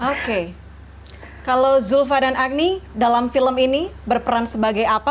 oke kalau zulfa dan agni dalam film ini berperan sebagai apa